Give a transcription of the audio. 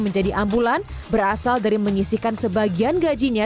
menjadi ambulan berasal dari menyisikan sebagian gajinya